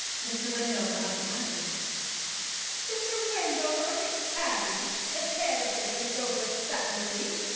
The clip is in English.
'Mr. Wendover of the Abbey.' 'Mr. Wendover of the Abbey, the head of the Wendover family?'